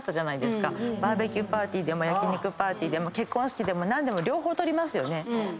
バーベキューパーティーでも焼肉パーティーでも結婚式でも何でも両方撮りますよね。